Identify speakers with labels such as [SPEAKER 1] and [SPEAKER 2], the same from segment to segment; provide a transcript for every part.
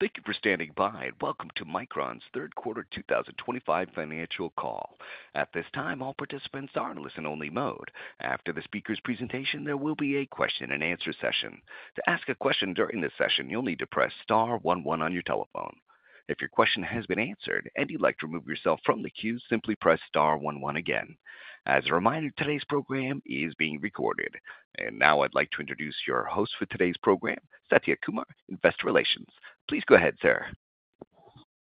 [SPEAKER 1] Thank you for standing by, and welcome to Micron's Third Quarter 2025 Financial Call. At this time, all participants are in listen-only mode. After the speaker's presentation, there will be a question-and-answer session. To ask a question during this session, you'll need to press star 11 on your telephone. If your question has been answered and you'd like to remove yourself from the queue, simply press star 11 again. As a reminder, today's program is being recorded. Now I'd like to introduce your host for today's program, Satya Kumar, Investor Relations. Please go ahead, sir.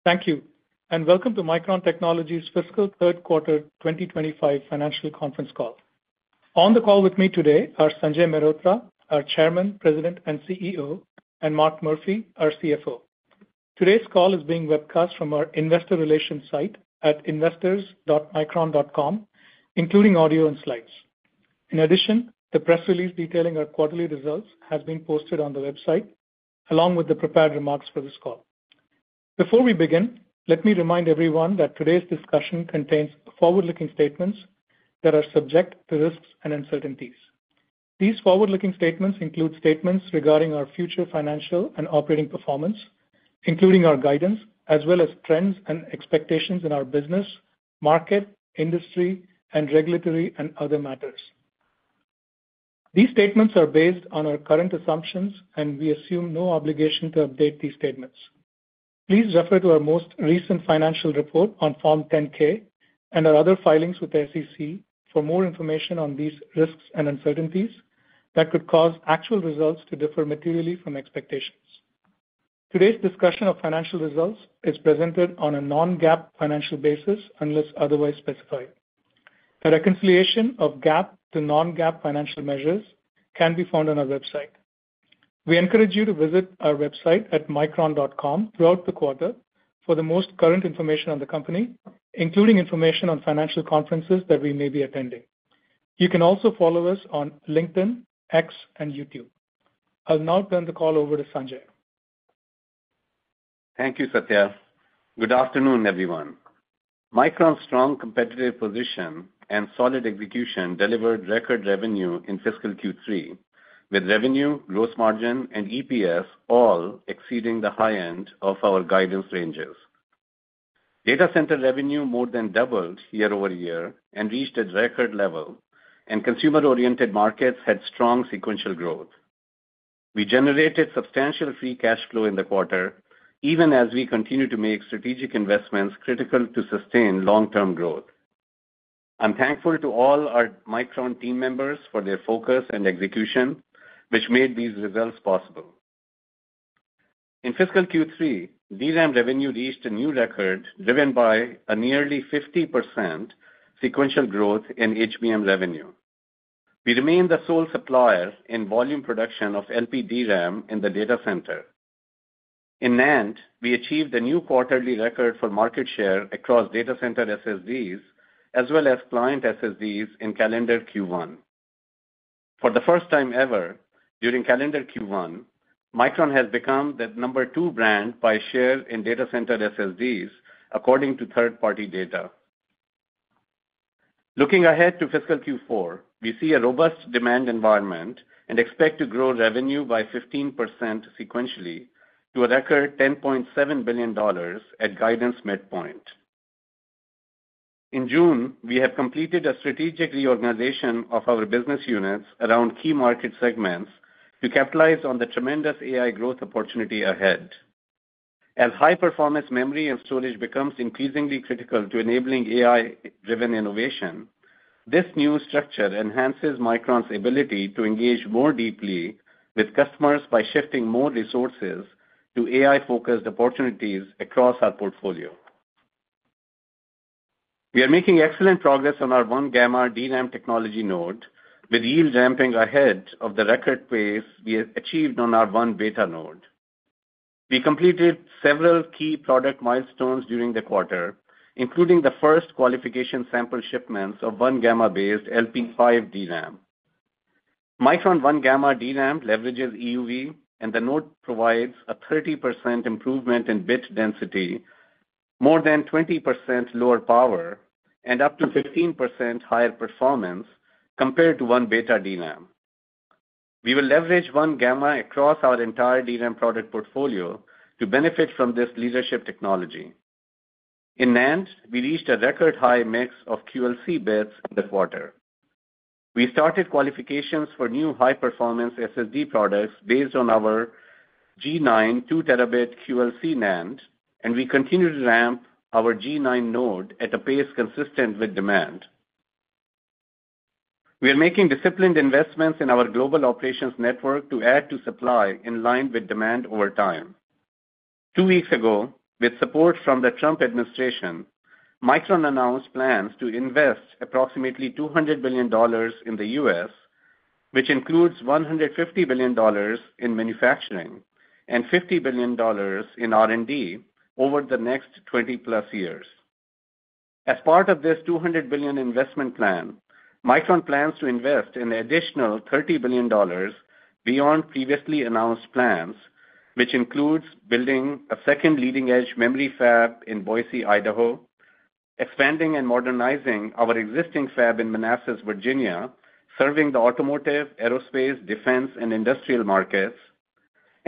[SPEAKER 2] Thank you, and welcome to Micron Technology's Fiscal Third Quarter 2025 Financial Conference Call. On the call with me today are Sanjay Mehrotra, our Chairman, President, and CEO, and Mark Murphy, our CFO. Today's call is being webcast from our investor relations site at investors.micron.com, including audio and slides. In addition, the press release detailing our quarterly results has been posted on the website, along with the prepared remarks for this call. Before we begin, let me remind everyone that today's discussion contains forward-looking statements that are subject to risks and uncertainties. These forward-looking statements include statements regarding our future financial and operating performance, including our guidance, as well as trends and expectations in our business, market, industry, and regulatory and other matters. These statements are based on our current assumptions, and we assume no obligation to update these statements. Please refer to our most recent financial report on Form 10-K and our other filings with the SEC for more information on these risks and uncertainties that could cause actual results to differ materially from expectations. Today's discussion of financial results is presented on a non-GAAP financial basis unless otherwise specified. A reconciliation of GAAP to non-GAAP financial measures can be found on our website. We encourage you to visit our website at micron.com throughout the quarter for the most current information on the company, including information on financial conferences that we may be attending. You can also follow us on LinkedIn, X, and YouTube. I'll now turn the call over to Sanjay.
[SPEAKER 3] Thank you, Satya. Good afternoon, everyone. Micron's strong competitive position and solid execution delivered record revenue in Fiscal Q3, with revenue, gross margin, and EPS all exceeding the high end of our guidance ranges. Data center revenue more than doubled year-over-year and reached a record level, and consumer-oriented markets had strong sequential growth. We generated substantial free cash flow in the quarter, even as we continue to make strategic investments critical to sustain long-term growth. I'm thankful to all our Micron team members for their focus and execution, which made these results possible. In Fiscal Q3, DRAM revenue reached a new record driven by a nearly 50% sequential growth in HBM revenue. We remain the sole supplier in volume production of LPDRAM in the data center. In NAND, we achieved a new quarterly record for market share across data center SSDs as well as client SSDs in calendar Q1. For the first time ever during calendar Q1, Micron has become the number two brand by share in data center SSDs, according to third-party data. Looking ahead to Fiscal Q4, we see a robust demand environment and expect to grow revenue by 15% sequentially to a record $10.7 billion at guidance midpoint. In June, we have completed a strategic reorganization of our business units around key market segments to capitalize on the tremendous AI growth opportunity ahead. As high-performance memory and storage becomes increasingly critical to enabling AI-driven innovation, this new structure enhances Micron's ability to engage more deeply with customers by shifting more resources to AI-focused opportunities across our portfolio. We are making excellent progress on our 1-gamma DRAM technology node, with yield ramping ahead of the record pace we achieved on our 1-beta node. We completed several key product milestones during the quarter, including the first qualification sample shipments of 1-gamma-based LP5 DRAM. Micron 1-gamma DRAM leverages EUV, and the node provides a 30% improvement in bit density, more than 20% lower power, and up to 15% higher performance compared to 1-beta DRAM. We will leverage 1-gamma across our entire DRAM product portfolio to benefit from this leadership technology. In NAND, we reached a record high mix of QLC bits in the quarter. We started qualifications for new high-performance SSD products based on our G9 2-Tb QLC NAND, and we continue to ramp our G9 node at a pace consistent with demand. We are making disciplined investments in our global operations network to add to supply in line with demand over time. Two weeks ago, with support from the Trump administration, Micron announced plans to invest approximately $200 billion in the U.S., which includes $150 billion in manufacturing and $50 billion in R&D over the next 20+ years. As part of this $200 billion investment plan, Micron plans to invest an additional $30 billion beyond previously announced plans, which includes building a second leading-edge memory fab in Boise, Idaho, expanding and modernizing our existing fab in Manassas, Virginia, serving the automotive, aerospace, defense, and industrial markets,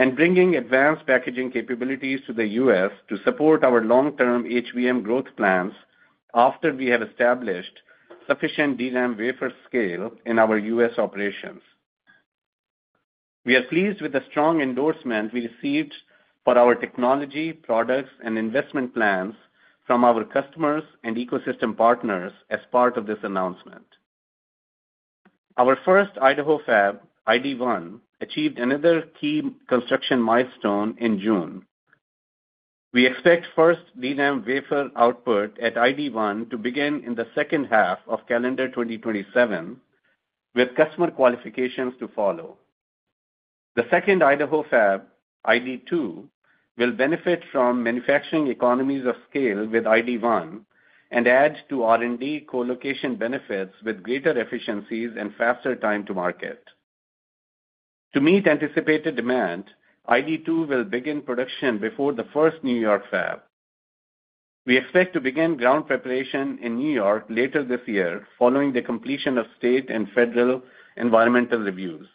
[SPEAKER 3] and bringing advanced packaging capabilities to the U.S. to support our long-term HBM growth plans after we have established sufficient DRAM wafer scale in our U.S. operations. We are pleased with the strong endorsement we received for our technology, products, and investment plans from our customers and ecosystem partners as part of this announcement. Our first Idaho fab, ID1, achieved another key construction milestone in June. We expect first DRAM wafer output at ID1 to begin in the second half of calendar 2027, with customer qualifications to follow. The second Idaho fab, ID2, will benefit from manufacturing economies of scale with ID1 and add to R&D co-location benefits with greater efficiencies and faster time to market. To meet anticipated demand, ID2 will begin production before the first New York fab. We expect to begin ground preparation in New York later this year following the completion of state and federal environmental reviews.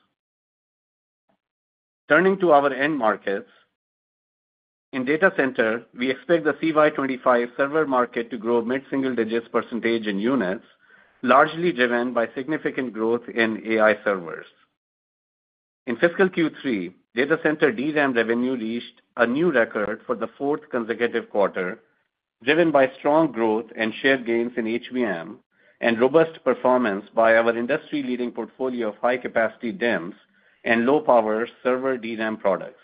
[SPEAKER 3] Turning to our end markets, in data center, we expect the calendar year 2025 server market to grow mid-single digits percentage in units, largely driven by significant growth in AI servers. In fiscal Q3, data center DRAM revenue reached a new record for the fourth consecutive quarter, driven by strong growth and share gains in HBM and robust performance by our industry-leading portfolio of high-capacity DIMMs and low-power server DRAM products.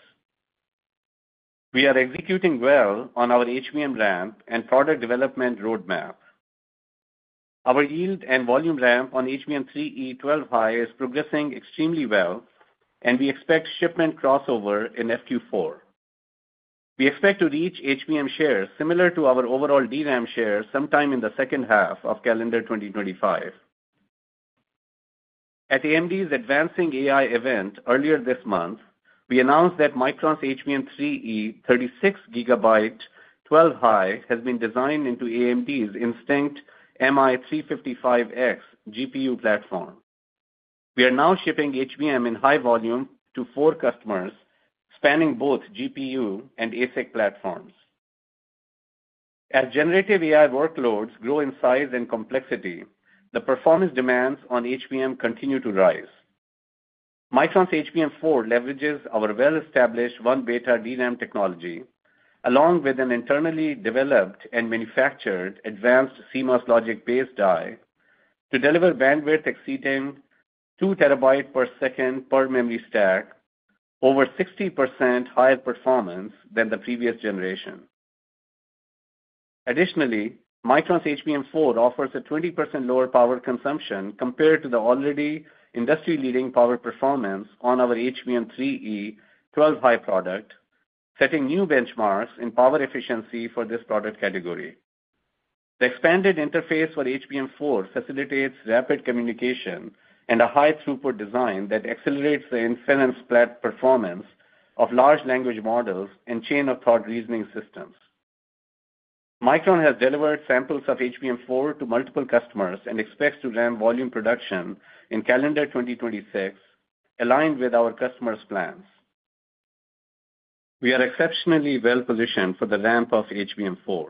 [SPEAKER 3] We are executing well on our HBM ramp and product development roadmap. Our yield and volume ramp on HBM3E 12-high is progressing extremely well, and we expect shipment crossover in fiscal Q4. We expect to reach HBM shares similar to our overall DRAM shares sometime in the second half of calendar 2025. At AMD's Advancing AI event earlier this month, we announced that Micron's HBM3E 36GB 12-high has been designed into AMD's Instinct MI355X GPU platform. We are now shipping HBM in high volume to four customers spanning both GPU and ASIC platforms. As generative AI workloads grow in size and complexity, the performance demands on HBM continue to rise. Micron's HBM4 leverages our well-established one-beta DRAM technology, along with an internally developed and manufactured advanced CMOS logic-based die to deliver bandwidth exceeding 2 TB per second per memory stack, over 60% higher performance than the previous generation. Additionally, Micron's HBM4 offers a 20% lower power consumption compared to the already industry-leading power performance on our HBM3E 12-high product, setting new benchmarks in power efficiency for this product category. The expanded interface for HBM4 facilitates rapid communication and a high-throughput design that accelerates the inference platform performance of large language models and chain-of-thought reasoning systems. Micron has delivered samples of HBM4 to multiple customers and expects to ramp volume production in calendar 2026, aligned with our customers' plans. We are exceptionally well-positioned for the ramp of HBM4.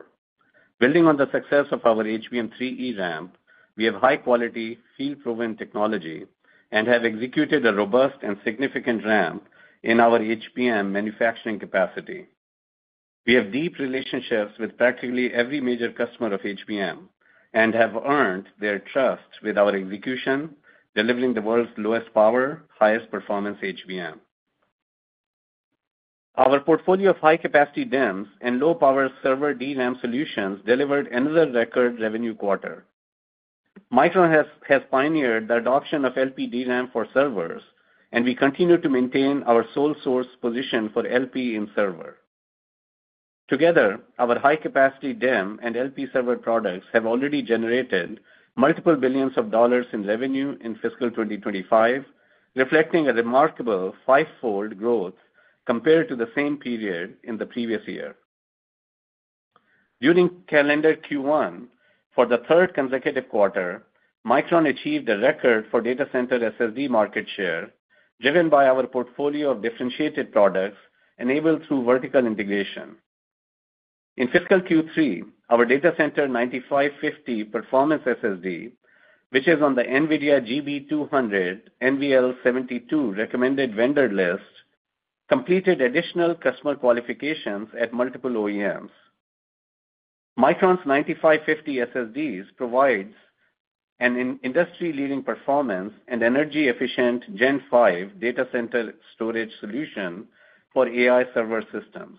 [SPEAKER 3] Building on the success of our HBM3E ramp, we have high-quality, field-proven technology and have executed a robust and significant ramp in our HBM manufacturing capacity. We have deep relationships with practically every major customer of HBM and have earned their trust with our execution, delivering the world's lowest power, highest performance HBM. Our portfolio of high-capacity DIMMs and low-power server DRAM solutions delivered another record revenue quarter. Micron has pioneered the adoption of LPDRAM for servers, and we continue to maintain our sole source position for LP in server. Together, our high-capacity DIMM and LP server products have already generated multiple billions of dollars in revenue in Fiscal 2025, reflecting a remarkable five-fold growth compared to the same period in the previous year. During calendar Q1, for the third consecutive quarter, Micron achieved a record for data center SSD market share, driven by our portfolio of differentiated products enabled through vertical integration. In Fiscal Q3, our data center 9550 performance SSD, which is on the NVIDIA GB200 NVL72 recommended vendor list, completed additional customer qualifications at multiple OEMs. Micron's 9550 SSDs provide an industry-leading performance and energy-efficient Gen5 data center storage solution for AI server systems.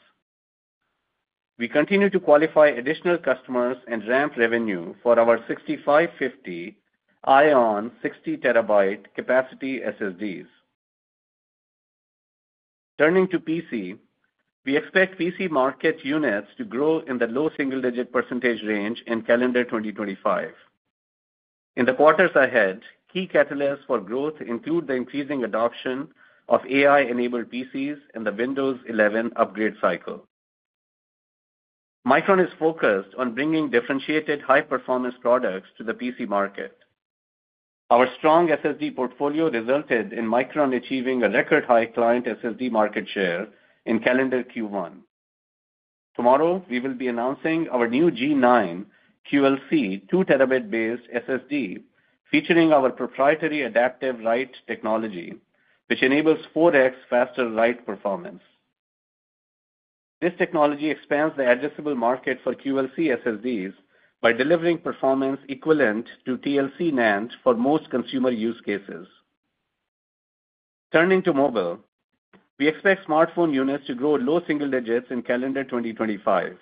[SPEAKER 3] We continue to qualify additional customers and ramp revenue for our 6550 ION 60 TB capacity SSDs. Turning to PC, we expect PC market units to grow in the low single-digit percentage range in calendar 2025. In the quarters ahead, key catalysts for growth include the increasing adoption of AI-enabled PCs in the Windows 11 upgrade cycle. Micron is focused on bringing differentiated high-performance products to the PC market. Our strong SSD portfolio resulted in Micron achieving a record high client SSD market share in calendar Q1. Tomorrow, we will be announcing our new G9 QLC 2-Tb-based SSD, featuring our proprietary adaptive write technology, which enables 4x faster write performance. This technology expands the addressable market for QLC SSDs by delivering performance equivalent to TLC NAND for most consumer use cases. Turning to mobile, we expect smartphone units to grow low single digits in calendar 2025.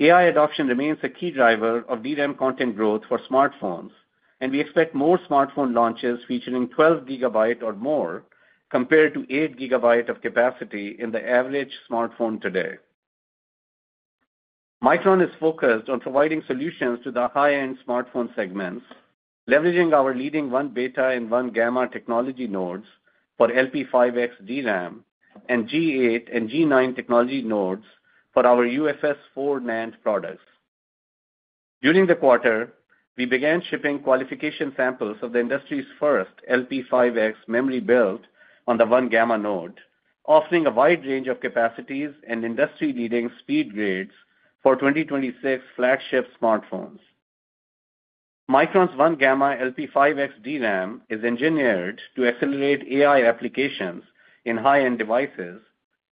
[SPEAKER 3] AI adoption remains a key driver of DRAM content growth for smartphones, and we expect more smartphone launches featuring 12 GB or more compared to 8 GB of capacity in the average smartphone today. Micron is focused on providing solutions to the high-end smartphone segments, leveraging our leading 1-beta and 1-gamma technology nodes for LP5X DRAM and G8 and G9 technology nodes for our UFS 4.0 NAND products. During the quarter, we began shipping qualification samples of the industry's first LP5X memory built on the 1-gamma node, offering a wide range of capacities and industry-leading speed grades for 2026 flagship smartphones. Micron's 1-gamma LP5X DRAM is engineered to accelerate AI applications in high-end devices,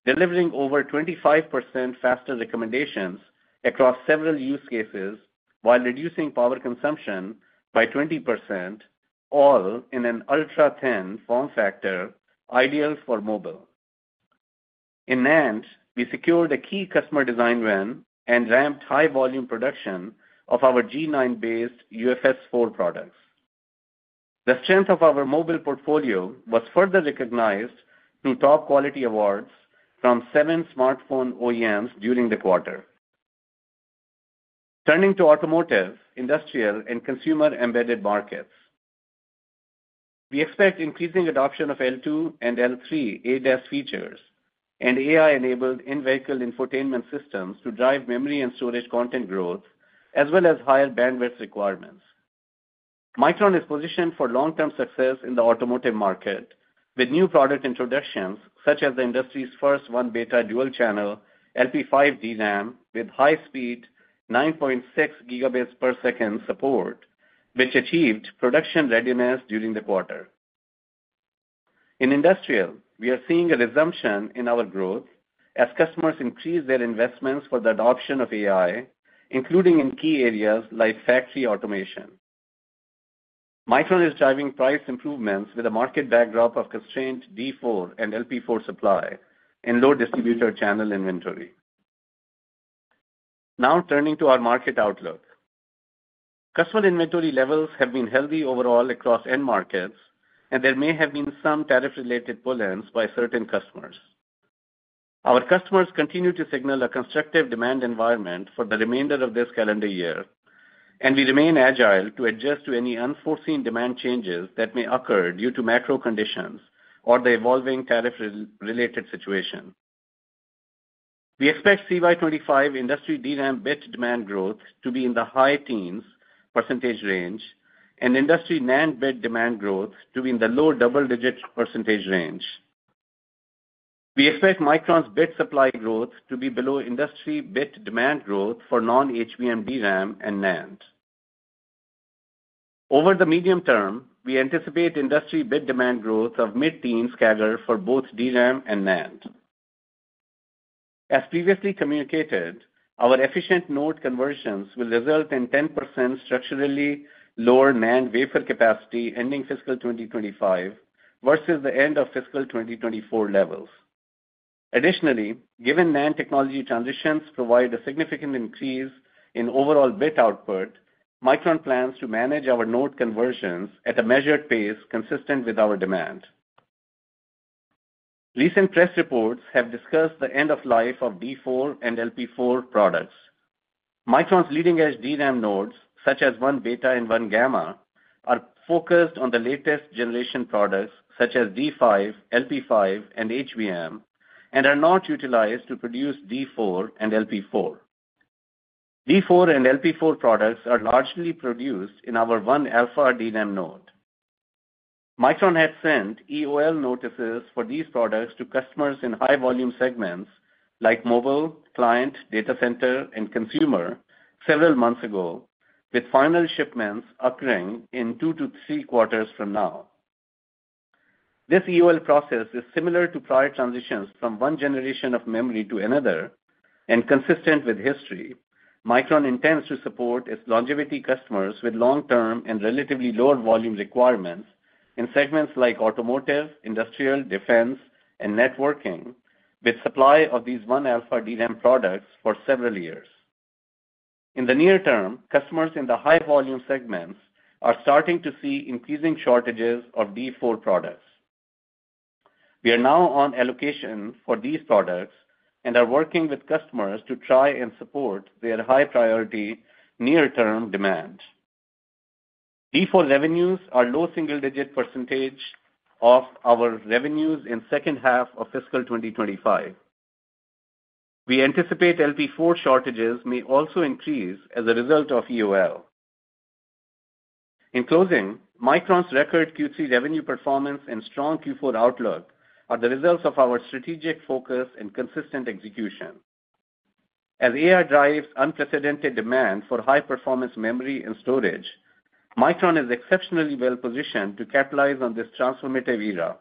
[SPEAKER 3] delivering over 25% faster recommendations across several use cases while reducing power consumption by 20%, all in an ultra-thin form factor ideal for mobile. In NAND, we secured a key customer design win and ramped high-volume production of our G9-based UFS 4.0 products. The strength of our mobile portfolio was further recognized through top quality awards from seven smartphone OEMs during the quarter. Turning to automotive, industrial, and consumer embedded markets, we expect increasing adoption of L2 and L3 ADAS features and AI-enabled in-vehicle infotainment systems to drive memory and storage content growth, as well as higher bandwidth requirements. Micron is positioned for long-term success in the automotive market with new product introductions such as the industry's first 1-beta dual-channel LP5 DRAM with high-speed 9.6 Gb per second support, which achieved production readiness during the quarter. In industrial, we are seeing a resumption in our growth as customers increase their investments for the adoption of AI, including in key areas like factory automation. Micron is driving price improvements with a market backdrop of constrained D4 and LP4 supply and low distributor channel inventory. Now, turning to our market outlook, customer inventory levels have been healthy overall across end markets, and there may have been some tariff-related pull-ins by certain customers. Our customers continue to signal a constructive demand environment for the remainder of this calendar year, and we remain agile to adjust to any unforeseen demand changes that may occur due to macro conditions or the evolving tariff-related situation. We expect CY2025 industry DRAM bit demand growth to be in the high teens percentage range and industry NAND bit demand growth to be in the low double-digit percentage range. We expect Micron's bit supply growth to be below industry bit demand growth for non-HBM DRAM and NAND. Over the medium term, we anticipate industry bit demand growth of mid-teens CAGR for both DRAM and NAND. As previously communicated, our efficient node conversions will result in 10% structurally lower NAND wafer capacity ending Fiscal 2025 versus the end of Fiscal 2024 levels. Additionally, given NAND technology transitions provide a significant increase in overall bit output, Micron plans to manage our node conversions at a measured pace consistent with our demand. Recent press reports have discussed the end of life of D4 and LP4 products. Micron's leading-edge DRAM nodes, such as one-beta and one-gamma, are focused on the latest generation products such as D5, LP5, and HBM and are not utilized to produce D4 and LP4. D4 and LP4 products are largely produced in our one-alpha DRAM node. Micron had sent EOL notices for these products to customers in high-volume segments like mobile, client, data center, and consumer several months ago, with final shipments occurring in two to three quarters from now. This EOL process is similar to prior transitions from one generation of memory to another and consistent with history. Micron intends to support its longevity customers with long-term and relatively low volume requirements in segments like automotive, industrial, defense, and networking, with supply of these 1-alpha DRAM products for several years. In the near term, customers in the high-volume segments are starting to see increasing shortages of D4 products. We are now on allocation for these products and are working with customers to try and support their high-priority near-term demand. D4 revenues are low single-digit percentage of our revenues in the second half of Fiscal 2025. We anticipate LP4 shortages may also increase as a result of EOL. In closing, Micron's record Q3 revenue performance and strong Q4 outlook are the results of our strategic focus and consistent execution. As AI drives unprecedented demand for high-performance memory and storage, Micron is exceptionally well-positioned to capitalize on this transformative era.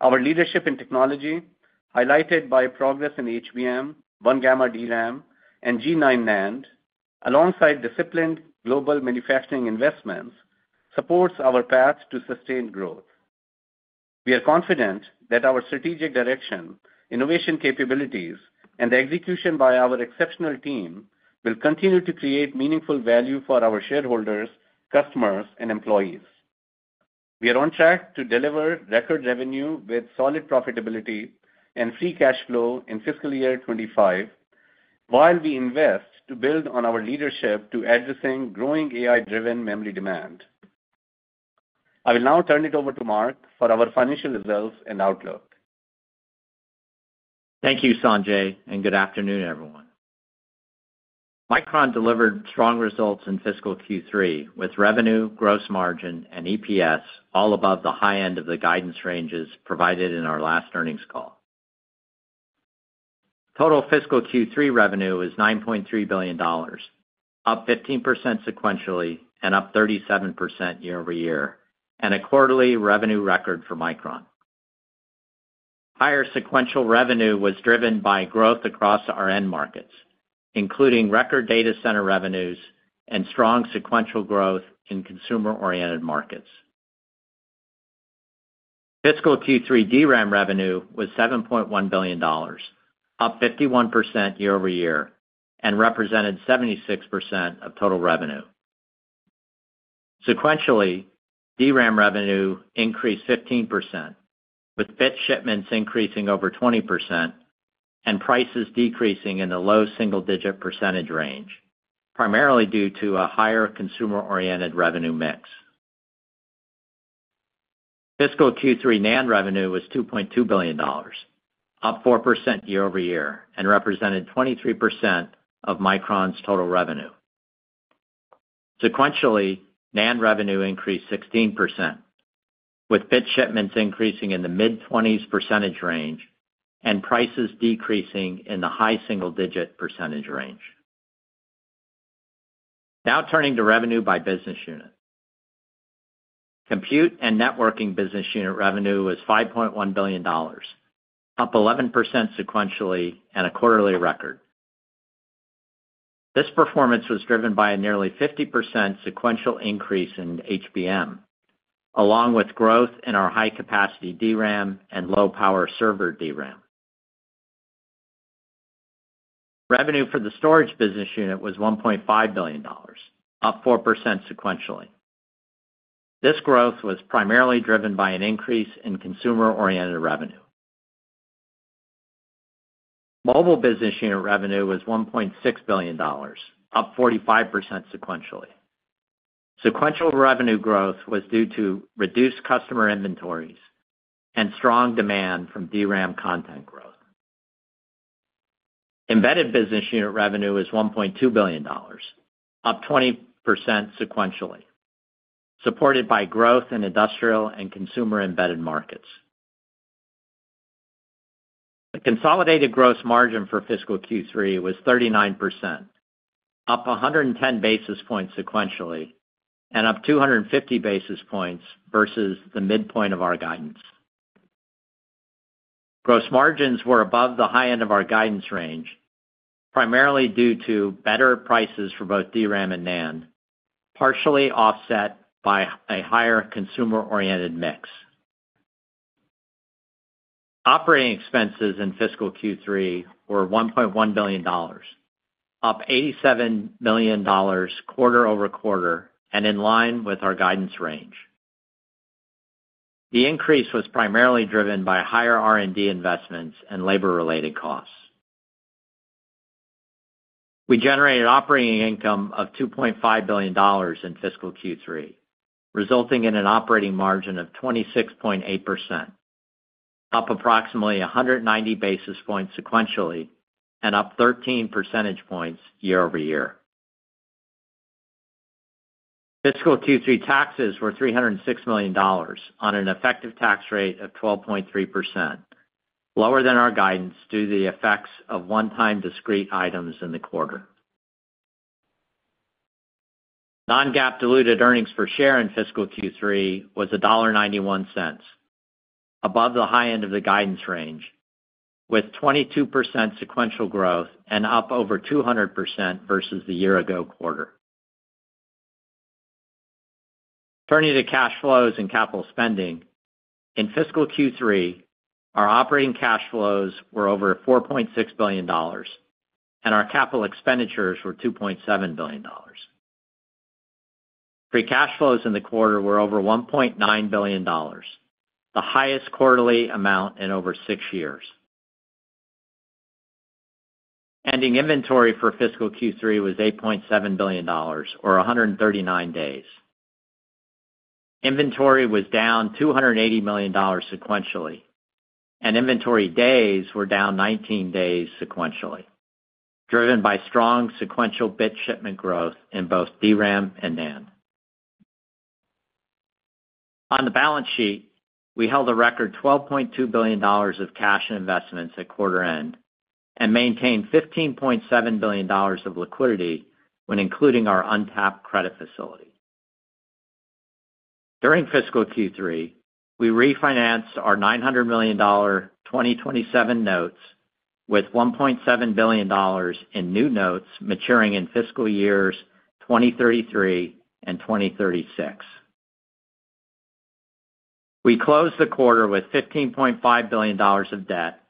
[SPEAKER 3] Our leadership in technology, highlighted by progress in HBM, one-gamma DRAM, and G9 NAND, alongside disciplined global manufacturing investments, supports our path to sustained growth. We are confident that our strategic direction, innovation capabilities, and the execution by our exceptional team will continue to create meaningful value for our shareholders, customers, and employees. We are on track to deliver record revenue with solid profitability and free cash flow in Fiscal Year 2025, while we invest to build on our leadership to addressing growing AI-driven memory demand. I will now turn it over to Mark for our financial results and outlook.
[SPEAKER 4] Thank you, Sanjay, and good afternoon, everyone. Micron delivered strong results in Fiscal Q3 with revenue, gross margin, and EPS all above the high end of the guidance ranges provided in our last earnings call. Total fiscal Q3 revenue is $9.3 billion, up 15% sequentially and up 37% year-over-year, and a quarterly revenue record for Micron. Higher sequential revenue was driven by growth across our end markets, including record data center revenues and strong sequential growth in consumer-oriented markets. Fiscal Q3 DRAM revenue was $7.1 billion, up 51% year-over-year, and represented 76% of total revenue. Sequentially, DRAM revenue increased 15%, with bit shipments increasing over 20% and prices decreasing in the low single-digit percentage range, primarily due to a higher consumer-oriented revenue mix. Fiscal Q3 NAND revenue was $2.2 billion, up 4% year-over-year, and represented 23% of Micron's total revenue. Sequentially, NAND revenue increased 16%, with bit shipments increasing in the mid-20s percentage range and prices decreasing in the high single-digit percentage range. Now turning to revenue by business unit. Compute and networking business unit revenue was $5.1 billion, up 11% sequentially and a quarterly record. This performance was driven by a nearly 50% sequential increase in HBM, along with growth in our high-capacity DRAM and low-power server DRAM. Revenue for the storage business unit was $1.5 billion, up 4% sequentially. This growth was primarily driven by an increase in consumer-oriented revenue. Mobile business unit revenue was $1.6 billion, up 45% sequentially. Sequential revenue growth was due to reduced customer inventories and strong demand from DRAM content growth. Embedded business unit revenue was $1.2 billion, up 20% sequentially, supported by growth in industrial and consumer embedded markets. The consolidated gross margin for Fiscal Q3 was 39%, up 110 basis points sequentially and up 250 basis points versus the midpoint of our guidance. Gross margins were above the high end of our guidance range, primarily due to better prices for both DRAM and NAND, partially offset by a higher consumer-oriented mix. Operating expenses in Fiscal Q3 were $1.1 billion, up $87 million quarter-over-quarter and in line with our guidance range. The increase was primarily driven by higher R&D investments and labor-related costs. We generated operating income of $2.5 billion in Fiscal Q3, resulting in an operating margin of 26.8%, up approximately 190 basis points sequentially and up 13 percentage points year-over-year. Fiscal Q3 taxes were $306 million on an effective tax rate of 12.3%, lower than our guidance due to the effects of one-time discrete items in the quarter. Non-GAAP diluted earnings per share in Fiscal Q3 was $1.91, above the high end of the guidance range, with 22% sequential growth and up over 200% versus the year-ago quarter. Turning to cash flows and capital spending, in Fiscal Q3, our operating cash flows were over $4.6 billion, and our capital expenditures were $2.7 billion. Free cash flows in the quarter were over $1.9 billion, the highest quarterly amount in over six years. Ending inventory for Fiscal Q3 was $8.7 billion, or 139 days. Inventory was down $280 million sequentially, and inventory days were down 19 days sequentially, driven by strong sequential bit shipment growth in both DRAM and NAND. On the balance sheet, we held a record $12.2 billion of cash investments at quarter end and maintained $15.7 billion of liquidity when including our untapped credit facility. During Fiscal Q3, we refinanced our $900 million 2027 notes with $1.7 billion in new notes maturing in fiscal years 2033 and 2036. We closed the quarter with $15.5 billion of debt,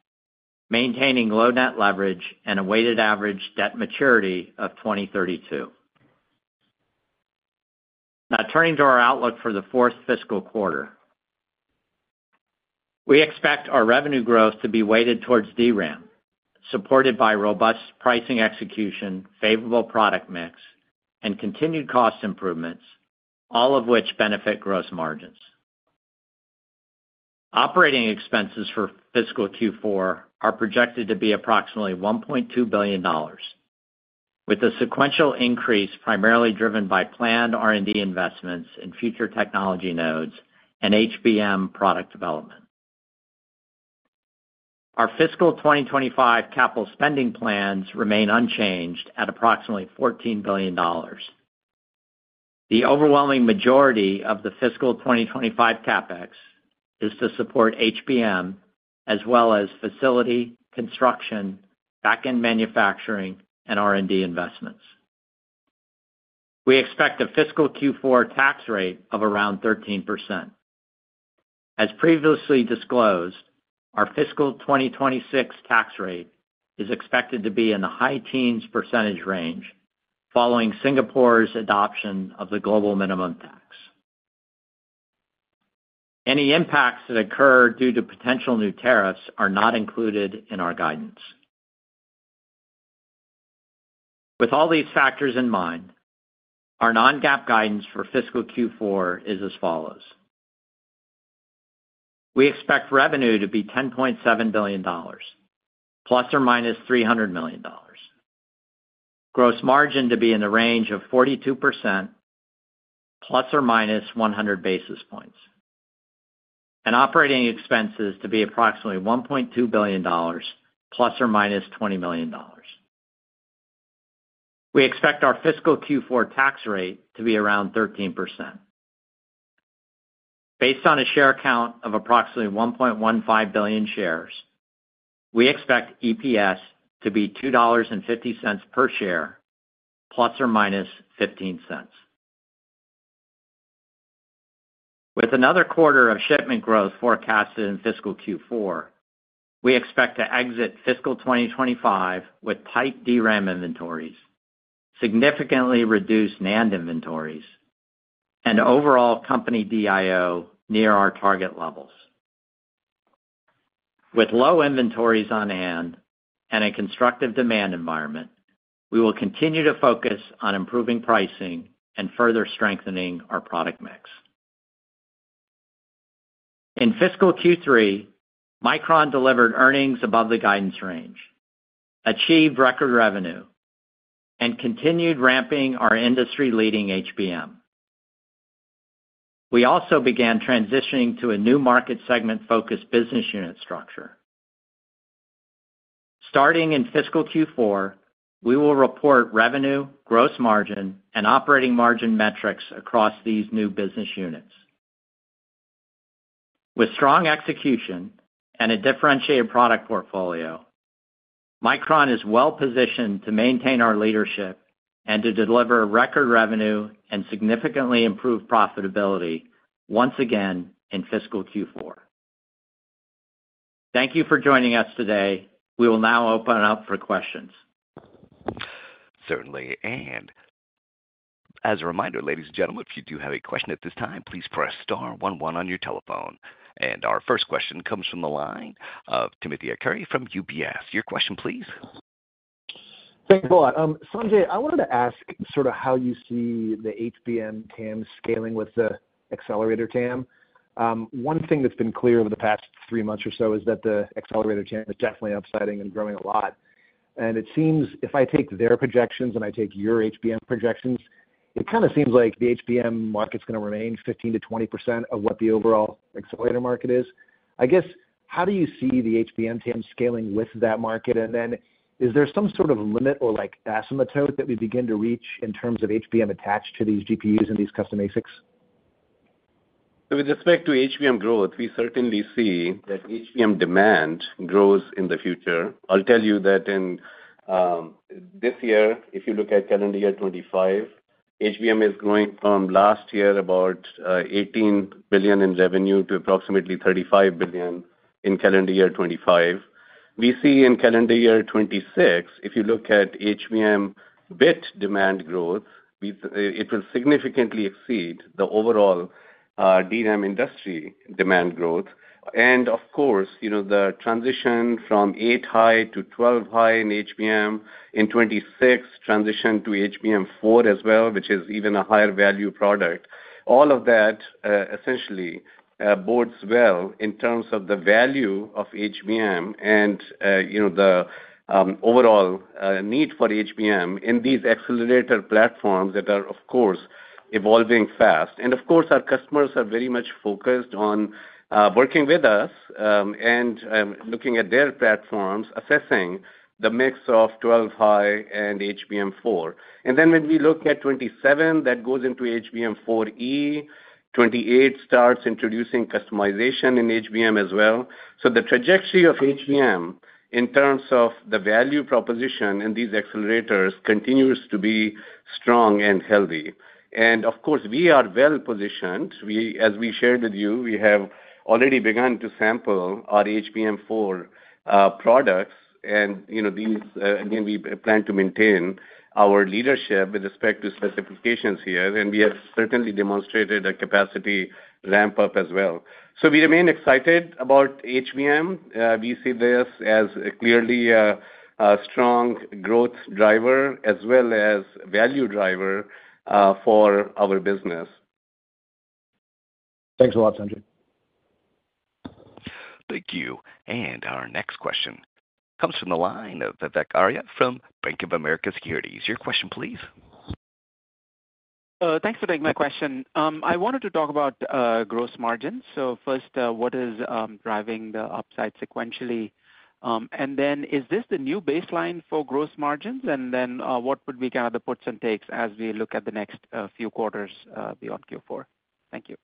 [SPEAKER 4] maintaining low net leverage and a weighted average debt maturity of 2032. Now, turning to our outlook for the fourth fiscal quarter, we expect our revenue growth to be weighted towards DRAM, supported by robust pricing execution, favorable product mix, and continued cost improvements, all of which benefit gross margins. Operating expenses for fiscal Q4 are projected to be approximately $1.2 billion, with a sequential increase primarily driven by planned R&D investments in future technology nodes and HBM product development. Our fiscal 2025 capital spending plans remain unchanged at approximately $14 billion. The overwhelming majority of the fiscal 2025 CapEx is to support HBM, as well as facility, construction, back-end manufacturing, and R&D investments. We expect a fiscal Q4 tax rate of around 13%. As previously disclosed, our fiscal 2026 tax rate is expected to be in the high teens percentage range, following Singapore's adoption of the global minimum tax. Any impacts that occur due to potential new tariffs are not included in our guidance. With all these factors in mind, our non-GAAP guidance for Fiscal Q4 is as follows. We expect revenue to be $10.7 billion, ±$300 million. Gross margin to be in the range of 42%, ±100 basis points. Operating expenses to be approximately $1.2 billion, ±$20 million. We expect our fiscal Q4 tax rate to be around 13%. Based on a share count of approximately 1.15 billion shares, we expect EPS to be $2.50 per share, ±$0.15. With another quarter of shipment growth forecasted in fiscal Q4, we expect to exit fiscal 2025 with tight DRAM inventories, significantly reduced NAND inventories, and overall company DIO near our target levels. With low inventories on hand and a constructive demand environment, we will continue to focus on improving pricing and further strengthening our product mix. In fiscal Q3, Micron delivered earnings above the guidance range, achieved record revenue, and continued ramping our industry-leading HBM. We also began transitioning to a new market segment-focused business unit structure. Starting in fiscal Q4, we will report revenue, gross margin, and operating margin metrics across these new business units. With strong execution and a differentiated product portfolio, Micron is well-positioned to maintain our leadership and to deliver record revenue and significantly improve profitability once again in fiscal Q4. Thank you for joining us today. We will now open it up for questions. Certainly.
[SPEAKER 1] As a reminder, ladies and gentlemen, if you do have a question at this time, please press star 11 on your telephone. Our first question comes from the line of Timothy Arcuri from UBS. Your question, please.
[SPEAKER 5] Thanks, Paul. Sanjay, I wanted to ask sort of how you see the HBM TAM scaling with the accelerator TAM. One thing that's been clear over the past three months or so is that the accelerator TAM is definitely upsiding and growing a lot. It seems if I take their projections and I take your HBM projections, it kind of seems like the HBM market's going to remain 15%-20% of what the overall accelerator market is. I guess, how do you see the HBM TAM scaling with that market? Is there some sort of limit or asymptote that we begin to reach in terms of HBM attached to these GPUs and these custom ASICs?
[SPEAKER 3] With respect to HBM growth, we certainly see that HBM demand grows in the future. I'll tell you that in this year, if you look at calendar year 2025, HBM is growing from last year about $18 billion in revenue to approximately $35 billion in calendar year 2025. We see in calendar year 2026, if you look at HBM bit demand growth, it will significantly exceed the overall DRAM industry demand growth. Of course, the transition from 8-high to 12-high in HBM in 2026, transition to HBM4 as well, which is even a higher value product. All of that essentially bodes well in terms of the value of HBM and the overall need for HBM in these accelerator platforms that are, of course, evolving fast. Our customers are very much focused on working with us and looking at their platforms, assessing the mix of 12-high and HBM4. When we look at 2027, that goes into HBM4E. 2028 starts introducing customization in HBM as well. The trajectory of HBM in terms of the value proposition in these accelerators continues to be strong and healthy. We are well-positioned. As we shared with you, we have already begun to sample our HBM4 products. We plan to maintain our leadership with respect to specifications here. We have certainly demonstrated a capacity ramp-up as well. We remain excited about HBM. We see this as clearly a strong growth driver as well as value driver for our business.
[SPEAKER 5] Thanks a lot, Sanjay.
[SPEAKER 1] Thank you. Our next question comes from the line of Vivek Arya from Bank of America Securities. Your question, please.
[SPEAKER 6] Thanks for taking my question. I wanted to talk about gross margins. First, what is driving the upside sequentially? Is this the new baseline for gross margins? What would be kind of the puts and takes as we look at the next few quarters beyond Q4? Thank you.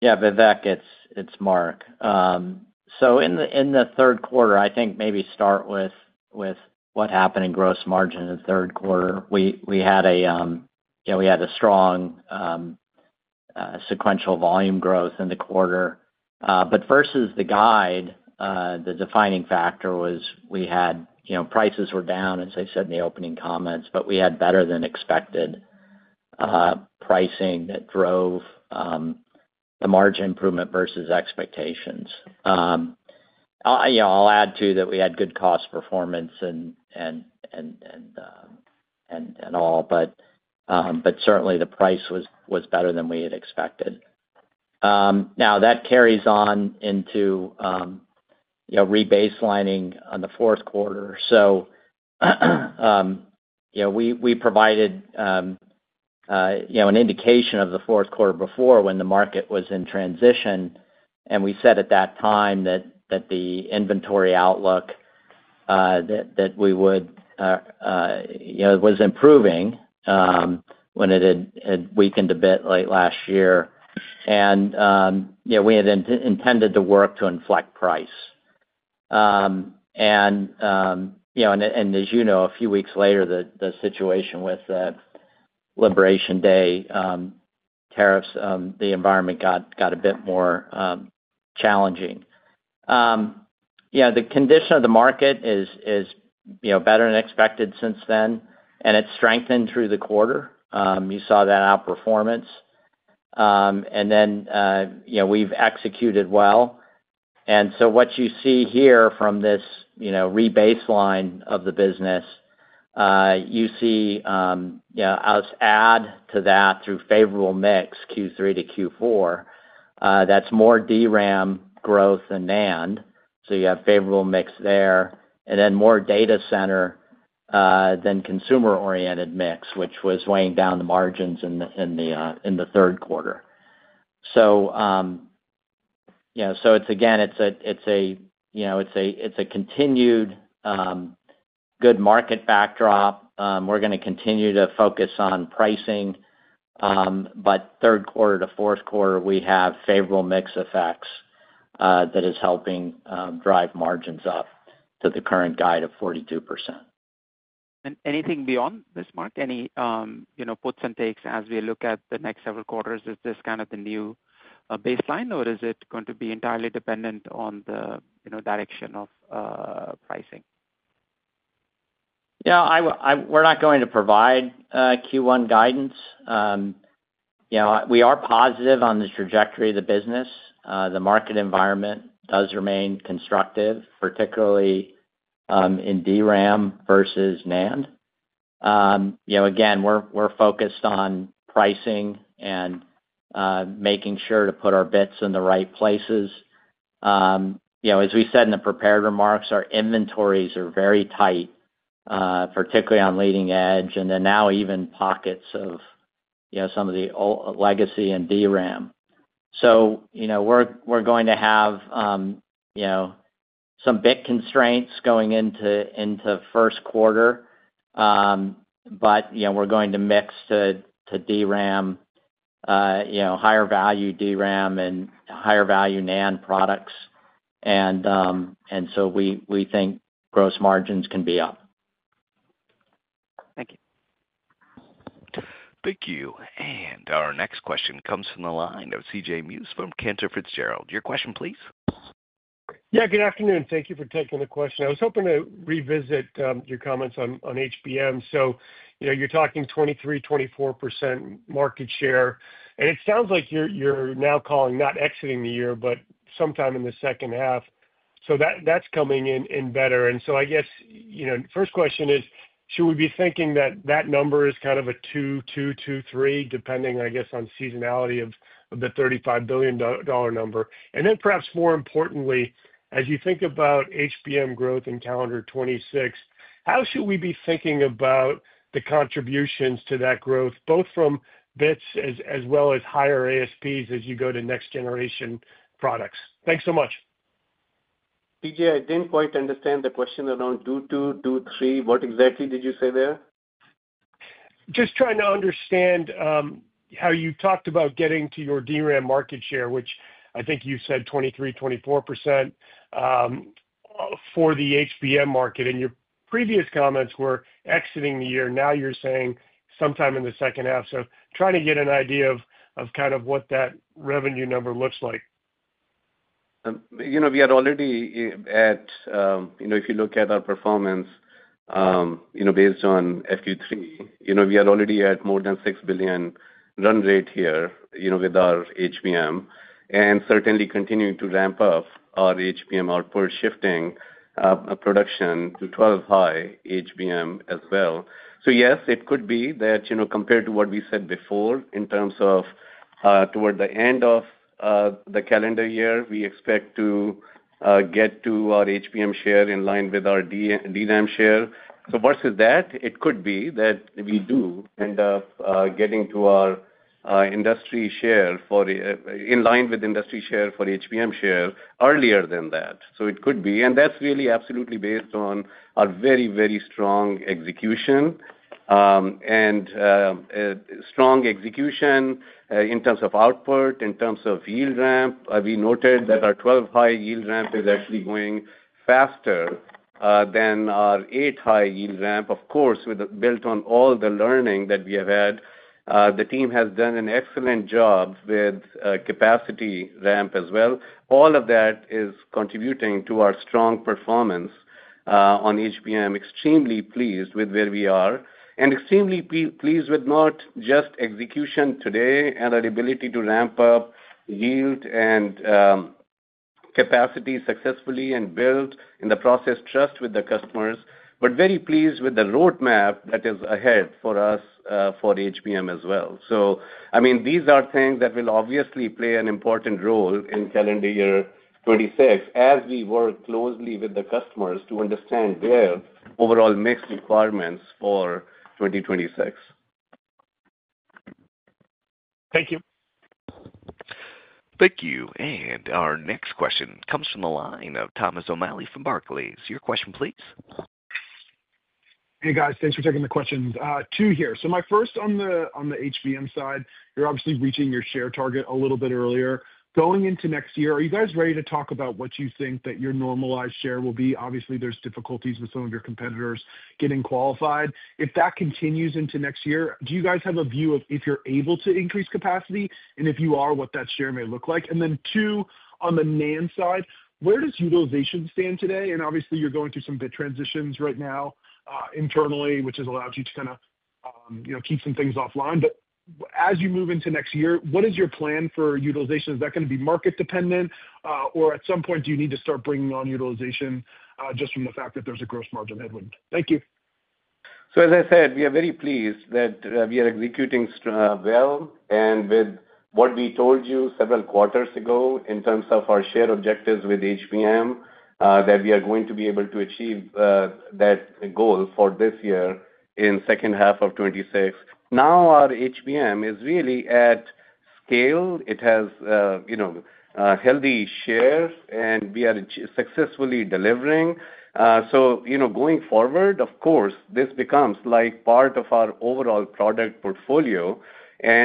[SPEAKER 4] Yeah, Vivek, it's Mark. In the third quarter, I think maybe start with what happened in gross margin in the third quarter. We had a strong sequential volume growth in the quarter. Versus the guide, the defining factor was we had prices were down, as I said in the opening comments, but we had better-than-expected pricing that drove the margin improvement versus expectations. I'll add to that we had good cost performance and all, but certainly the price was better than we had expected. Now, that carries on into rebaselining on the fourth quarter. We provided an indication of the fourth quarter before when the market was in transition. We said at that time that the inventory outlook that we would was improving when it had weakened a bit late last year. We had intended to work to inflect price. As you know, a few weeks later, the situation with the Liberation Day tariffs, the environment got a bit more challenging. Yeah, the condition of the market is better than expected since then, and it's strengthened through the quarter. You saw that outperformance. And then we've executed well. What you see here from this rebaseline of the business, you see us add to that through favorable mix Q3-Q4. That's more DRAM growth than NAND. You have favorable mix there. And then more data center than consumer-oriented mix, which was weighing down the margins in the third quarter. It's, again, a continued good market backdrop. We're going to continue to focus on pricing. Third quarter to fourth quarter, we have favorable mix effects that is helping drive margins up to the current guide of 42%.
[SPEAKER 6] Anything beyond this, Mark? Any puts and takes as we look at the next several quarters? Is this kind of the new baseline, or is it going to be entirely dependent on the direction of pricing?
[SPEAKER 4] Yeah, we're not going to provide Q1 guidance. We are positive on the trajectory of the business. The market environment does remain constructive, particularly in DRAM versus NAND. Again, we're focused on pricing and making sure to put our bits in the right places. As we said in the prepared remarks, our inventories are very tight, particularly on leading edge, and now even pockets of some of the legacy and DRAM. We're going to have some bit constraints going into first quarter, but we're going to mix to DRAM, higher value DRAM, and higher value NAND products. We think gross margins can be up.
[SPEAKER 6] Thank you.
[SPEAKER 1] Thank you. Our next question comes from the line of CJ Muse from Cantor Fitzgerald. Your question, please.
[SPEAKER 7] Yeah, good afternoon. Thank you for taking the question. I was hoping to revisit your comments on HBM. So you're talking 23%-24% market share. It sounds like you're now calling not exiting the year, but sometime in the second half. That is coming in better. I guess first question is, should we be thinking that that number is kind of a 2, 2, 2, 3, depending, I guess, on seasonality of the $35 billion number? Perhaps more importantly, as you think about HBM growth in calendar 2026, how should we be thinking about the contributions to that growth, both from bits as well as higher ASPs as you go to next-generation products? Thanks so much.
[SPEAKER 3] CJ, I didn't quite understand the question around 2, 2, 2, 3. What exactly did you say there?
[SPEAKER 7] Just trying to understand how you talked about getting to your DRAM market share, which I think you said 23%-24% for the HBM market. Your previous comments were exiting the year. Now you're saying sometime in the second half. Trying to get an idea of kind of what that revenue number looks like.
[SPEAKER 3] We are already at, if you look at our performance based on FQ3, we are already at more than $6 billion run rate here with our HBM and certainly continuing to ramp up our HBM output, shifting production to 12-high HBM as well. Yes, it could be that compared to what we said before in terms of toward the end of the calendar year, we expect to get to our HBM share in line with our DRAM share. Versus that, it could be that we do end up getting to our industry share in line with industry share for HBM share earlier than that. It could be. That is really absolutely based on our very, very strong execution. Strong execution in terms of output, in terms of yield ramp. We noted that our 12-high yield ramp is actually going faster than our 8-high yield ramp, of course, built on all the learning that we have had. The team has done an excellent job with capacity ramp as well. All of that is contributing to our strong performance on HBM. Extremely pleased with where we are and extremely pleased with not just execution today and our ability to ramp up yield and capacity successfully and build in the process trust with the customers, but very pleased with the roadmap that is ahead for us for HBM as well. I mean, these are things that will obviously play an important role in calendar year 2026 as we work closely with the customers to understand their overall mixed requirements for 2026.
[SPEAKER 7] Thank you.
[SPEAKER 1] Thank you. Our next question comes from the line of Thomas O'Malley from Barclays. Your question, please.
[SPEAKER 8] Hey, guys, thanks for taking the questions. Two here. My first on the HBM side, you're obviously reaching your share target a little bit earlier. Going into next year, are you guys ready to talk about what you think that your normalized share will be? Obviously, there's difficulties with some of your competitors getting qualified. If that continues into next year, do you guys have a view of if you're able to increase capacity? If you are, what that share may look like. Two, on the NAND side, where does utilization stand today? Obviously, you're going through some bit transitions right now internally, which has allowed you to kind of keep some things offline. As you move into next year, what is your plan for utilization? Is that going to be market dependent? At some point, do you need to start bringing on utilization just from the fact that there's a gross margin headwind? Thank you.
[SPEAKER 3] As I said, we are very pleased that we are executing well and with what we told you several quarters ago in terms of our share objectives with HBM, that we are going to be able to achieve that goal for this year in second half of 2026. Now our HBM is really at scale. It has healthy share, and we are successfully delivering. Going forward, of course, this becomes part of our overall product portfolio.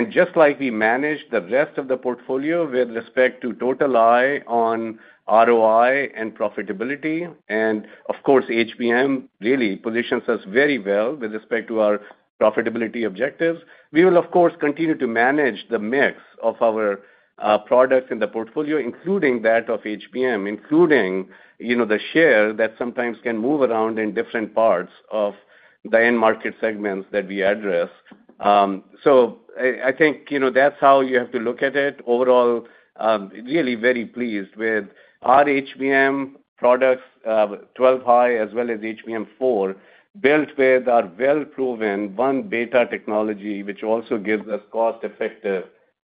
[SPEAKER 3] Just like we manage the rest of the portfolio with respect to total eye on ROI and profitability. Of course, HBM really positions us very well with respect to our profitability objectives. We will, of course, continue to manage the mix of our products in the portfolio, including that of HBM, including the share that sometimes can move around in different parts of the end market segments that we address. I think that's how you have to look at it. Overall, really very pleased with our HBM products, 12-high as well as HBM4, built with our well-proven one-beta technology, which also gives us cost-effective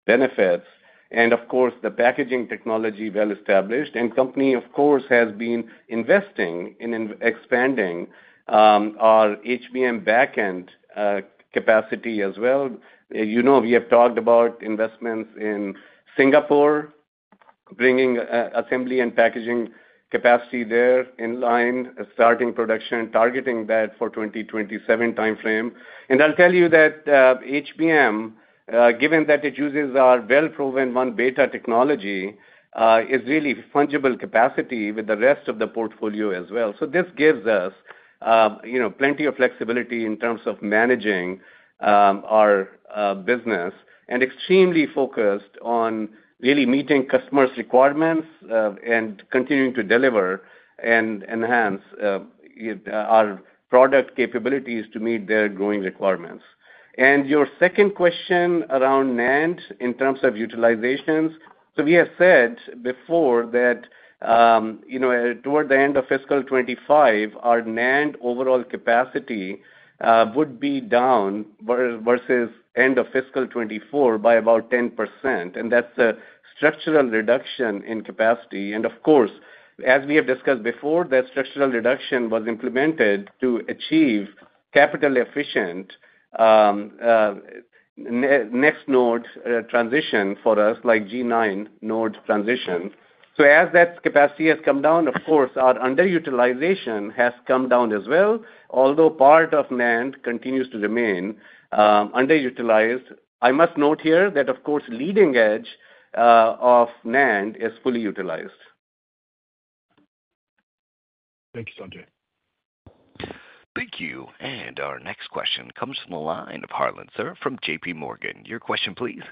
[SPEAKER 3] benefits. Of course, the packaging technology is well established. The company, of course, has been investing in expanding our HBM backend capacity as well. We have talked about investments in Singapore, bringing assembly and packaging capacity there in line, starting production, targeting that for the 2027 timeframe. I'll tell you that HBM, given that it uses our well-proven one-beta technology, is really fungible capacity with the rest of the portfolio as well. This gives us plenty of flexibility in terms of managing our business and we are extremely focused on really meeting customers' requirements and continuing to deliver and enhance our product capabilities to meet their growing requirements. Your second question around NAND in terms of utilizations. We have said before that toward the end of fiscal 2025, our NAND overall capacity would be down versus end of fiscal 2024 by about 10%. That is a structural reduction in capacity. Of course, as we have discussed before, that structural reduction was implemented to achieve capital-efficient next node transition for us, like G9 node transition. As that capacity has come down, our underutilization has come down as well, although part of NAND continues to remain underutilized. I must note here that, of course, leading edge of NAND is fully utilized.
[SPEAKER 8] Thank you, Sanjay.
[SPEAKER 1] Thank you. Our next question comes from the line of Harlan Sur from J.P. Morgan. Your question, please.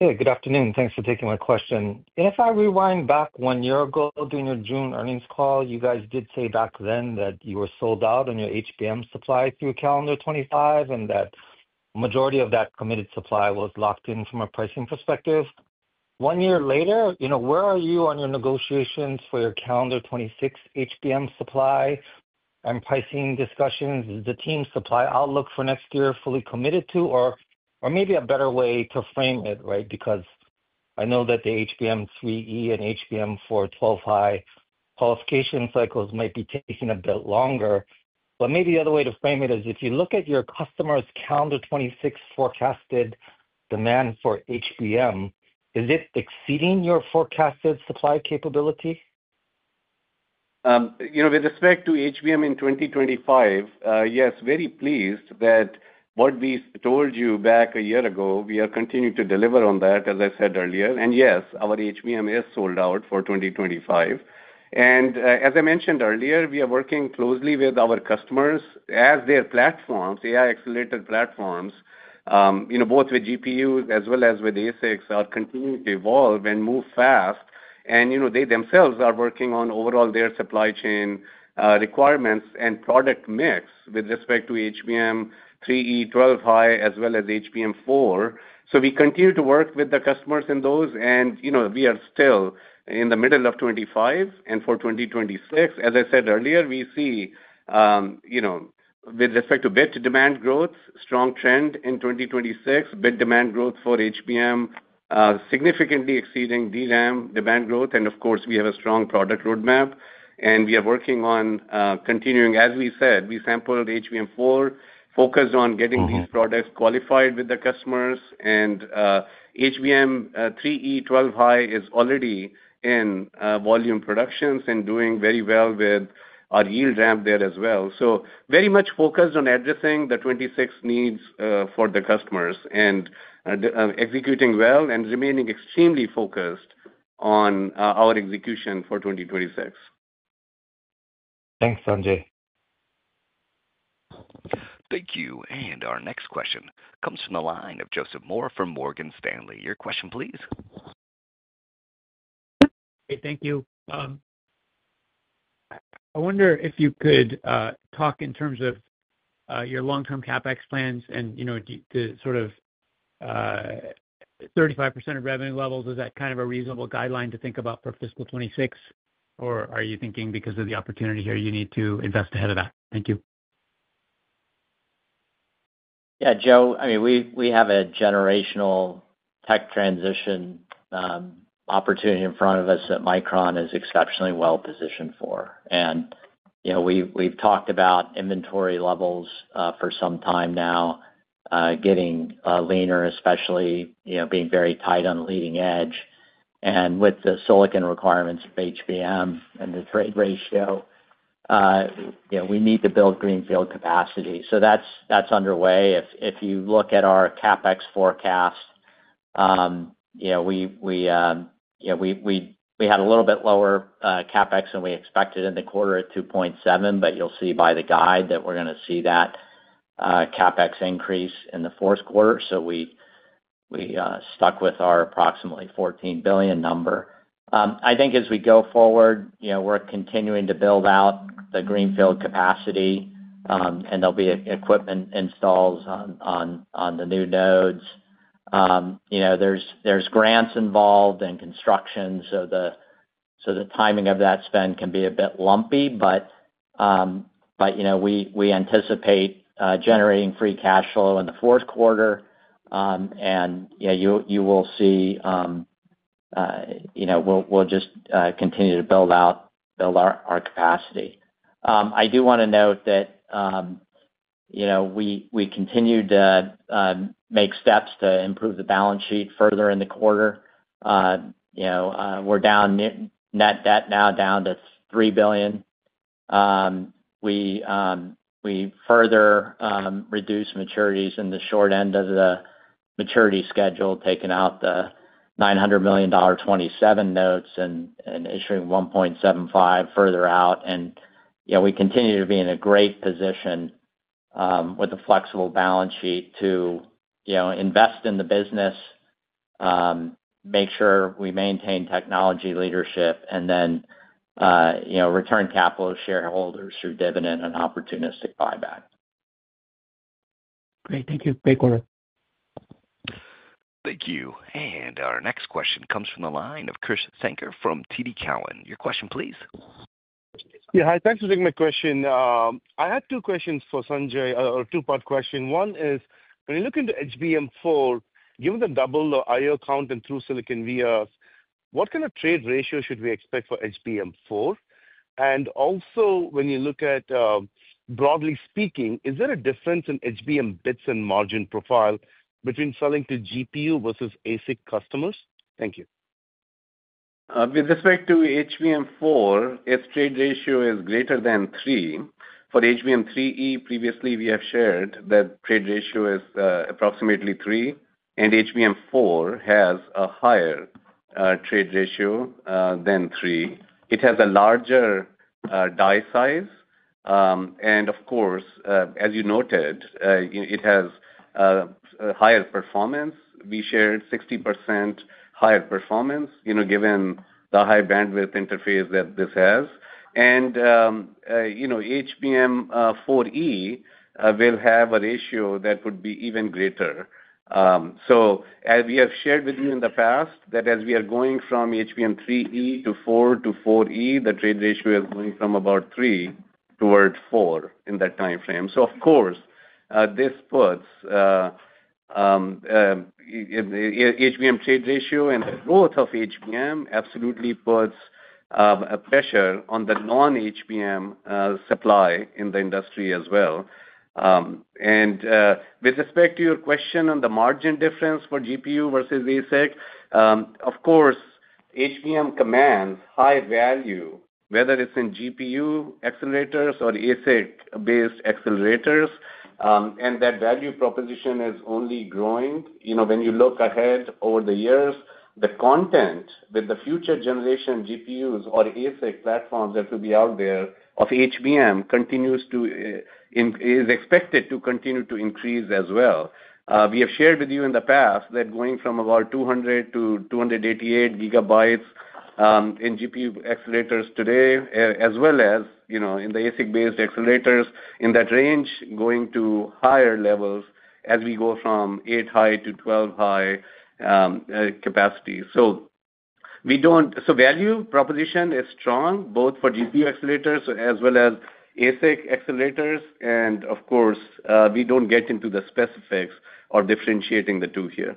[SPEAKER 9] Hey, good afternoon. Thanks for taking my question. If I rewind back one year ago during your June earnings call, you guys did say back then that you were sold out on your HBM supply through calendar 2025 and that majority of that committed supply was locked in from a pricing perspective. One year later, where are you on your negotiations for your calendar 2026 HBM supply and pricing discussions? Is the team supply outlook for next year fully committed to, or maybe a better way to frame it, right? Because I know that the HBM3E and HBM4 12-high qualification cycles might be taking a bit longer. Maybe the other way to frame it is if you look at your customers' calendar 2026 forecasted demand for HBM, is it exceeding your forecasted supply capability?
[SPEAKER 3] With respect to HBM in 2025, yes, very pleased that what we told you back a year ago, we are continuing to deliver on that, as I said earlier. Yes, our HBM is sold out for 2025. As I mentioned earlier, we are working closely with our customers as their platforms, AI accelerated platforms, both with GPUs as well as with ASICs, are continuing to evolve and move fast. They themselves are working on overall their supply chain requirements and product mix with respect to HBM3E, 12-high, as well as HBM4. We continue to work with the customers in those. We are still in the middle of 2025 and for 2026. As I said earlier, we see with respect to bit demand growth, strong trend in 2026, bit demand growth for HBM significantly exceeding DRAM demand growth. Of course, we have a strong product roadmap. We are working on continuing, as we said, we sampled HBM4, focused on getting these products qualified with the customers. HBM3E, 12-high is already in volume production and doing very well with our yield ramp there as well. Very much focused on addressing the 26 needs for the customers and executing well and remaining extremely focused on our execution for 2026.
[SPEAKER 9] Thanks, Sanjay.
[SPEAKER 1] Thank you. Our next question comes from the line of Joseph Moore from Morgan Stanley. Your question, please.
[SPEAKER 10] Hey, thank you. I wonder if you could talk in terms of your long-term CapEx plans and the sort of 35% of revenue levels. Is that kind of a reasonable guideline to think about for fiscal 2026, or are you thinking because of the opportunity here you need to invest ahead of that? Thank you.
[SPEAKER 4] Yeah, Joe, I mean, we have a generational tech transition opportunity in front of us that Micron is exceptionally well positioned for. And we've talked about inventory levels for some time now, getting leaner, especially being very tight on leading edge. And with the silicon requirements for HBM and the trade ratio, we need to build greenfield capacity. So that's underway. If you look at our CapEx forecast, we had a little bit lower CapEx than we expected in the quarter at $2.7 billion, but you'll see by the guide that we're going to see that CapEx increase in the fourth quarter. So we stuck with our approximately $14 billion number. I think as we go forward, we're continuing to build out the greenfield capacity, and there'll be equipment installs on the new nodes. are grants involved and construction, so the timing of that spend can be a bit lumpy, but we anticipate generating free cash flow in the fourth quarter. You will see we will just continue to build out our capacity. I do want to note that we continue to make steps to improve the balance sheet further in the quarter. We are down net debt now down to $3 billion. We further reduced maturities in the short end of the maturity schedule, taking out the $900 million 2027 notes and issuing $1.75 billion further out. We continue to be in a great position with a flexible balance sheet to invest in the business, make sure we maintain technology leadership, and then return capital to shareholders through dividend and opportunistic buyback.
[SPEAKER 10] Great. Thank you. Great quarter.
[SPEAKER 1] Thank you. Our next question comes from the line of Krish Sankar from TD Cowen.
[SPEAKER 11] Your question, please. Yeah, hi. Thanks for taking my question. I had two questions for Sanjay, or a two-part question. One is, when you look into HBM4, given the double I/O count and through silicon VRs, what kind of trade ratio should we expect for HBM4? Also, when you look at broadly speaking, is there a difference in HBM bits and margin profile between selling to GPU versus ASIC customers? Thank you.
[SPEAKER 3] With respect to HBM4, its trade ratio is greater than 3. For HBM3E, previously we have shared that trade ratio is approximately 3, and HBM4 has a higher trade ratio than 3. It has a larger die size. Of course, as you noted, it has higher performance. We shared 60% higher performance given the high bandwidth interface that this has. HBM4E will have a ratio that would be even greater. As we have shared with you in the past, as we are going from HBM3E to 4 to 4E, the trade ratio is going from about 3 toward 4 in that timeframe. Of course, this puts HBM trade ratio and the growth of HBM absolutely puts pressure on the non-HBM supply in the industry as well. With respect to your question on the margin difference for GPU versus ASIC, HBM commands high value, whether it is in GPU accelerators or ASIC-based accelerators. That value proposition is only growing. When you look ahead over the years, the content with the future generation GPUs or ASIC platforms that will be out there of HBM is expected to continue to increase as well. We have shared with you in the past that going from about 200-288 GB in GPU accelerators today, as well as in the ASIC-based accelerators, in that range going to higher levels as we go from 8-high to 12-high capacity. The value proposition is strong, both for GPU accelerators as well as ASIC accelerators. Of course, we do not get into the specifics or differentiating the two here.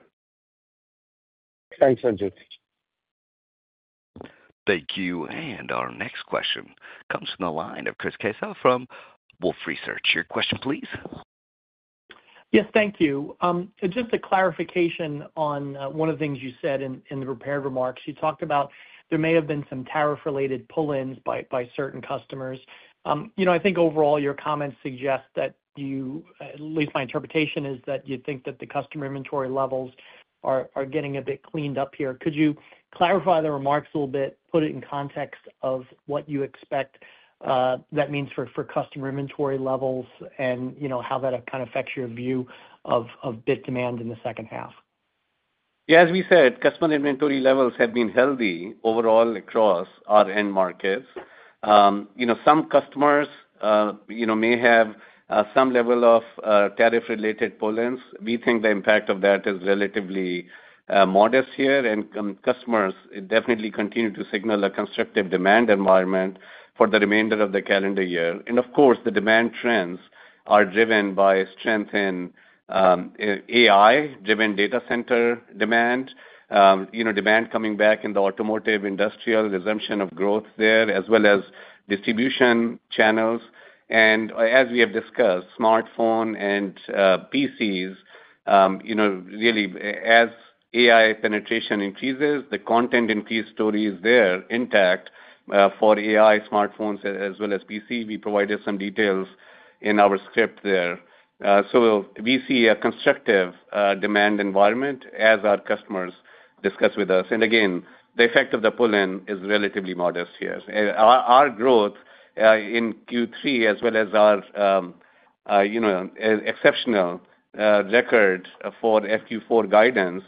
[SPEAKER 11] Thanks, Sanjay.
[SPEAKER 1] Thank you. Our next question comes from the line of Chris Caso from Wolfe Research. Your question, please.
[SPEAKER 12] Yes, thank you. Just a clarification on one of the things you said in the prepared remarks. You talked about there may have been some tariff-related pull-ins by certain customers. I think overall your comments suggest that you, at least my interpretation, is that you think that the customer inventory levels are getting a bit cleaned up here. Could you clarify the remarks a little bit, put it in context of what you expect that means for customer inventory levels and how that kind of affects your view of bit demand in the second half?
[SPEAKER 3] Yeah, as we said, customer inventory levels have been healthy overall across our end markets. Some customers may have some level of tariff-related pull-ins. We think the impact of that is relatively modest here. Customers definitely continue to signal a constructive demand environment for the remainder of the calendar year. Of course, the demand trends are driven by strength in AI-driven data center demand, demand coming back in the automotive industrial, resumption of growth there, as well as distribution channels. As we have discussed, smartphone and PCs, really as AI penetration increases, the content increase story is there intact for AI smartphones as well as PC. We provided some details in our script there. We see a constructive demand environment as our customers discuss with us. The effect of the pull-in is relatively modest here. Our growth in Q3, as well as our exceptional record for FQ4 guidance,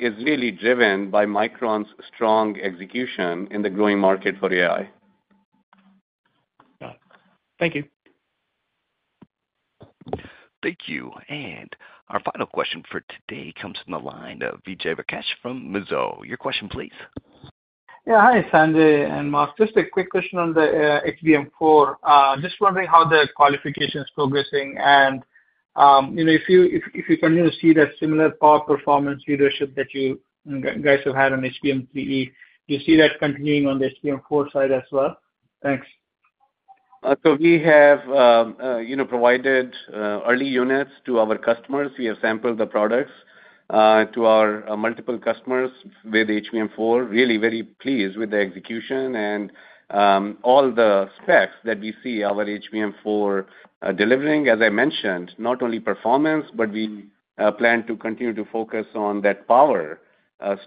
[SPEAKER 3] is really driven by Micron's strong execution in the growing market for AI.
[SPEAKER 12] Got it. Thank you.
[SPEAKER 1] Thank you. Our final question for today comes from the line of Vijay Rakesh from Mizuho. Your question, please.
[SPEAKER 13] Yeah, hi, Sanjay and Mark. Just a quick question on the HBM4. Just wondering how the qualification is progressing. If you continue to see that similar power performance leadership that you guys have had on HBM3E, do you see that continuing on the HBM4 side as well? Thanks.
[SPEAKER 3] We have provided early units to our customers. We have sampled the products to our multiple customers with HBM4. Really very pleased with the execution and all the specs that we see our HBM4 delivering. As I mentioned, not only performance, but we plan to continue to focus on that power,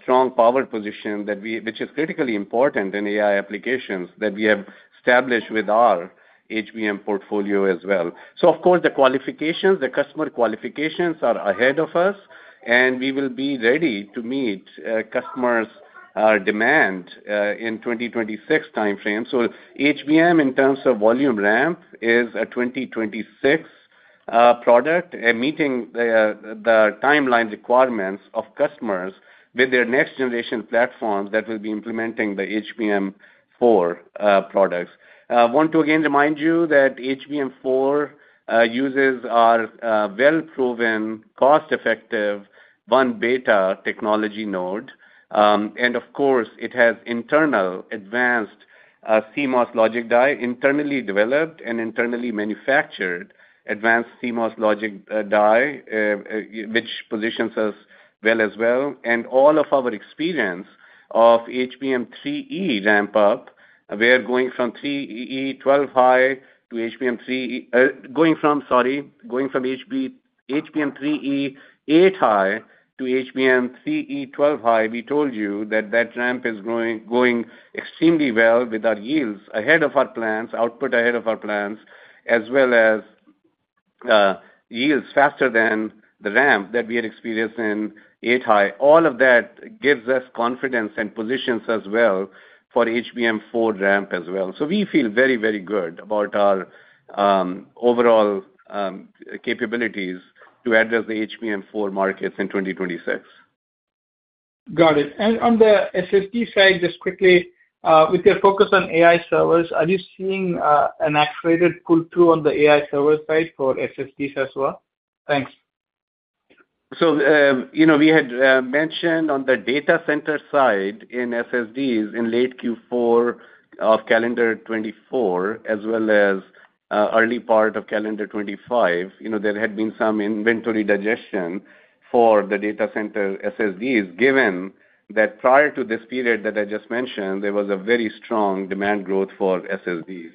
[SPEAKER 3] strong power position, which is critically important in AI applications that we have established with our HBM portfolio as well. Of course, the qualifications, the customer qualifications are ahead of us, and we will be ready to meet customers' demand in the 2026 timeframe. HBM, in terms of volume ramp, is a 2026 product and meeting the timeline requirements of customers with their next generation platform that will be implementing the HBM4 products. I want to again remind you that HBM4 uses our well-proven, cost-effective 1-beta technology node. It has internal advanced CMOS logic die, internally developed and internally manufactured advanced CMOS logic die, which positions us well as well. All of our experience of HBM3E ramp-up, we're going from HBM3E 8-high to HBM3E 12-high. We told you that that ramp is going extremely well with our yields ahead of our plans, output ahead of our plans, as well as yields faster than the ramp that we had experienced in 8-high. All of that gives us confidence and positions us well for HBM-4 ramp as well. We feel very, very good about our overall capabilities to address the HBM-4 markets in 2026. Got it. On the SSD side, just quickly, with your focus on AI servers, are you seeing an accelerated pull-through on the AI server side for SSDs as well? Thanks. We had mentioned on the data center side in SSDs in late Q4 of calendar 2024, as well as early part of calendar 2025, there had been some inventory digestion for the data center SSDs, given that prior to this period that I just mentioned, there was a very strong demand growth for SSDs.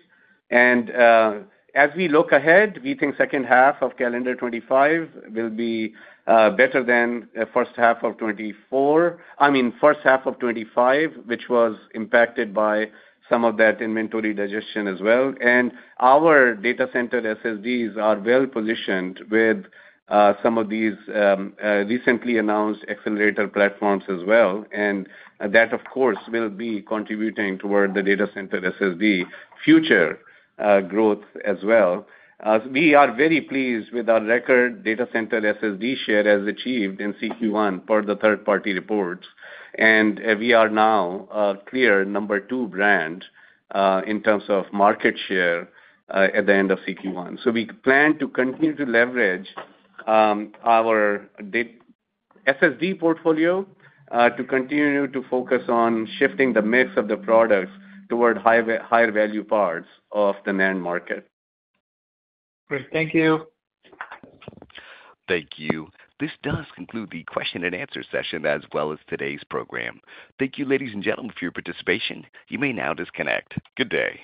[SPEAKER 3] As we look ahead, we think second half of calendar 2025 will be better than first half of 2025, which was impacted by some of that inventory digestion as well. Our data center SSDs are well positioned with some of these recently announced accelerator platforms as well. That, of course, will be contributing toward the data center SSD future growth as well. We are very pleased with our record data center SSD share as achieved in CQ1 per the third-party reports. We are now a clear number two brand in terms of market share at the end of CQ1. We plan to continue to leverage our SSD portfolio to continue to focus on shifting the mix of the products toward higher value parts of the end market.
[SPEAKER 13] Great. Thank you.
[SPEAKER 1] Thank you. This does conclude the question and answer session as well as today's program. Thank you, ladies and gentlemen, for your participation. You may now disconnect. Good day.